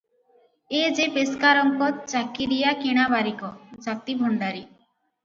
ଏ ଯେ ପେସ୍କାରଙ୍କ ଚାକିରିଆ କିଣା ବାରିକ, ଜାତି ଭଣ୍ଡାରି ।